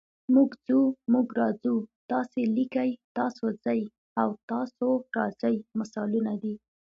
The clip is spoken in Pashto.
موږ ځو، موږ راځو، تاسې لیکئ، تاسو ځئ او تاسو راځئ مثالونه دي.